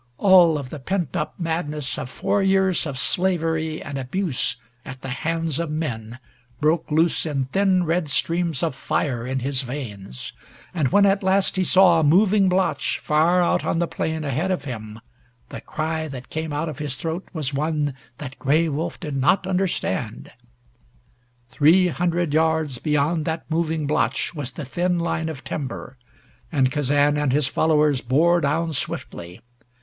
All of the pent up madness of four years of slavery and abuse at the hands of men broke loose in thin red streams of fire in his veins, and when at last he saw a moving blotch far out on the plain ahead of him, the cry that came out of his throat was one that Gray Wolf did not understand. Three hundred yards beyond that moving blotch was the thin line of timber, and Kazan and his followers bore down swiftly.